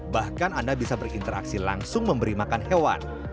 bahkan anda bisa berinteraksi langsung memberi makan hewan